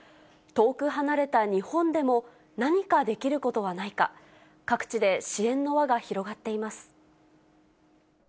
遠く離れた日本でも、何かできることはないか、各地で支援の輪が広がっています。